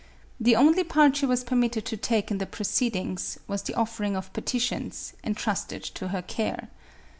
The only part she was permitted to take in the proceedings, was the offering of petitions, en trusted to her care.